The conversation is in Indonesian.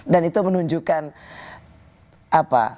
dan itu menunjukkan apa